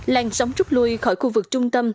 làn sóng trút lui khỏi khu vực trung tâm